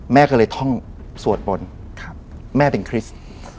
แม่ก็เลยท่องสวดบนแม่เป็นคริสต์